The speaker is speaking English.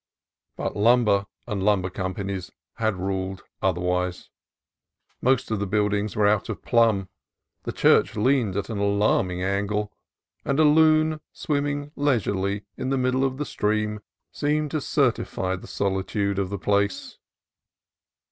But lumber and lumber companies had ruled otherwise. Most of the build ings were out of plumb; the church leaned at an alarming angle; and a loon swimming leisurely in the middle of the stream seemed to certify the soli tude of the place.